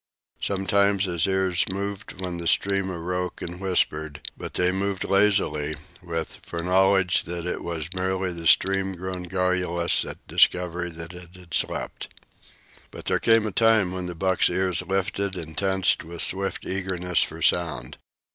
Sometimes his ears moved when the stream awoke and whispered; but they moved lazily, with foreknowledge that it was merely the stream grown garrulous at discovery that it had slept. But there came a time when the buck's ears lifted and tensed with swift eagerness for sound.